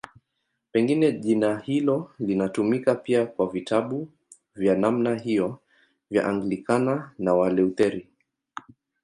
Pengine jina hilo linatumika pia kwa vitabu vya namna hiyo vya Anglikana na Walutheri.